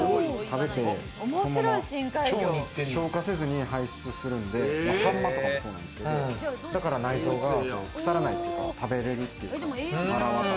食べてそのまま消化せずに排出するんで、さんまとかもそうなんですけど、だから内臓は腐らないっていうか食べれるっていう。